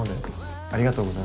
ありがとうございます。